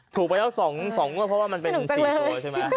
ถูกไปแล้ว๒งวดเพราะว่ามันเป็น๔ตัวใช่ไหม